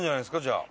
じゃあ。